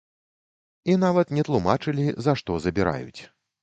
І нават не тлумачылі, за што забіраюць.